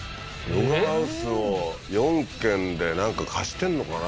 ログハウスを４軒でなんか貸してんのかな？